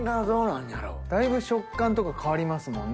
だいぶ食感とか変わりますもんね